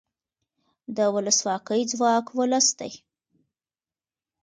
د ولسواکۍ ځواک ولس دی